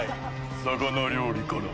魚料理から。